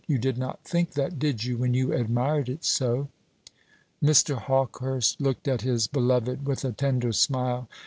You did not think that, did you, when you admired it so?" Mr. Hawkehurst looked at his beloved with a tender smile.